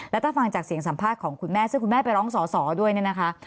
แล้วถ้าฟังจากเสียงสัมภาษณ์ของคุณแม่ซึ่งคุณแม่ไปร้องสอสอด้วยเนี่ยนะคะ